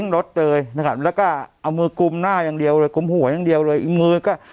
รถเลยนะครับแล้วก็เอามือกุมหน้าอย่างเดียวเลยกุมหัวอย่างเดียวเลยมือก็